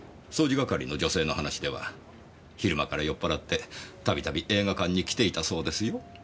掃除係の女性の話では昼間から酔っ払ってたびたび映画館に来ていたそうですよ。